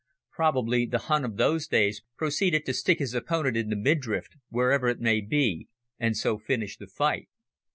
Probably the Hun of those days proceeded to stick his opponent in the midriff wherever it may be and so finished the fight.